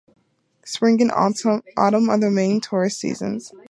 Spring and autumn are the main tourist seasons.